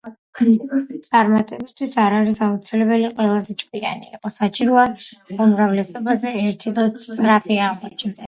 „წარმატებისთვის არ არის აუცილებელი ყველაზე ჭკვიანი იყო, საჭიროა, უმრავლესობაზე ერთი დღით სწრაფი აღმოჩნდე.”